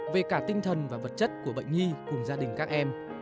về cả tinh thần và vật chất của bệnh nhi cùng gia đình các em